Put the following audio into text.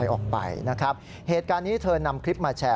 ออกไปนะครับเหตุการณ์นี้เธอนำคลิปมาแชร์